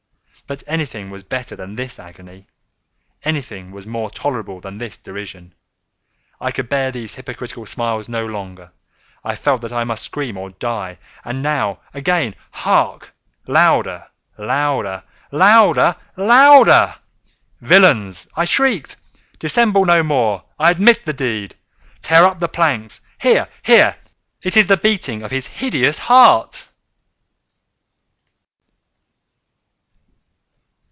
But anything was better than this agony! Anything was more tolerable than this derision! I could bear those hypocritical smiles no longer! I felt that I must scream or die! and now—again!—hark! louder! louder! louder! louder! "Villains!" I shrieked, "dissemble no more! I admit the deed!—tear up the planks!—here, here!—It is the beating of his hideous heart!"